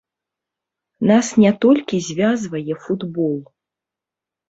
Нас не толькі звязвае футбол.